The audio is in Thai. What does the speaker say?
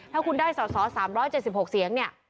ถ้าคุณได้สอสอ๓๗๖เสียงเนี่ย